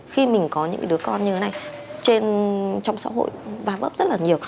khi mình có những đứa con như thế này trong xã hội bám ấp rất là nhiều